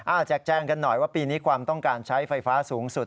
แจกแจงกันหน่อยว่าปีนี้ความต้องการใช้ไฟฟ้าสูงสุด